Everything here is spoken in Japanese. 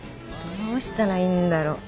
どうしたらいいんだろ？